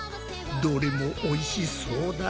どれもおいしそうだ。